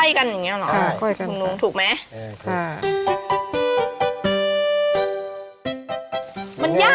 ค่อยกันอย่างนี้หรือคุณลุงถูกไหมค่ะค่อยกันค่ะ